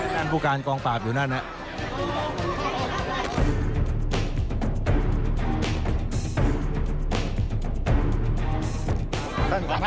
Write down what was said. สม่าสม่าก่อนเข้าหน่อยได้ไหมครับ